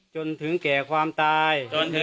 จนถึงแก่ความตาย